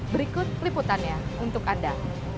berikut peliputannya untuk anda